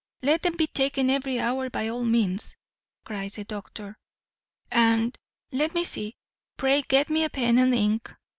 "Let them be taken every hour by all means," cries the doctor; "and let me see, pray get me a pen and ink."